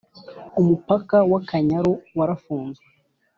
Umupaka wa Akanyaru warafunzwe